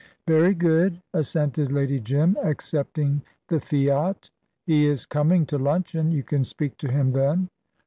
"Very good," assented Lady Jim, accepting the fiat. "He is coming to luncheon; you can speak to him then."